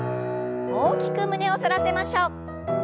大きく胸を反らせましょう。